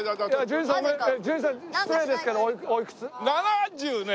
純次さん失礼ですけどおいくつ？